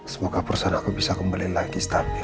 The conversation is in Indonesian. semoga perusahaan aku bisa kembali lagi start